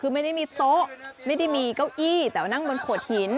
คือไม่ได้มีโต๊ะไม่ได้มีเก้าอี้แต่ว่านั่งบนโขดหิน